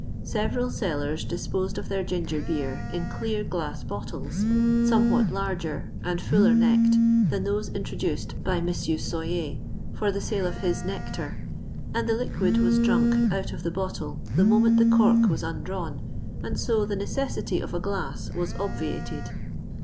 Several sellers disposed of their ginger beer in clear glass bottles, somewhat birger and fuller necked than those introduced by M. Soyer for the sale of his " nectar," and the liquid was drank out of the bottle the moment the cork was undrawn, and so the necessity of a glau was obviated.